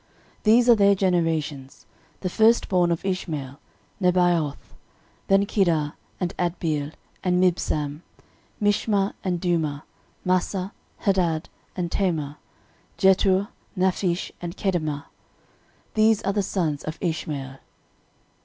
13:001:029 These are their generations: The firstborn of Ishmael, Nebaioth; then Kedar, and Adbeel, and Mibsam, 13:001:030 Mishma, and Dumah, Massa, Hadad, and Tema, 13:001:031 Jetur, Naphish, and Kedemah. These are the sons of Ishmael.